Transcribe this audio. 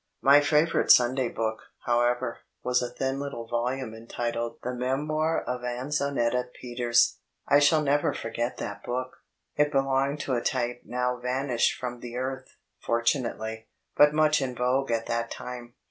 My favourite Sunday book, however, was a thin litde volume eniided The Mtmoir ofAnzenetta Peters. I shall never forget chat book. It belonged to a type now vanished from the earth fortunately but much in vogue at that time.